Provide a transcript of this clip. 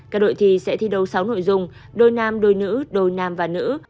các đội thi sẽ thi đấu sáu nội dung đôi nam đôi nữ đôi nam và nữ